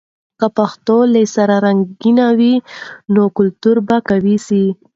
که پښتو له سره رنګین وي، نو کلتور به قوي سي.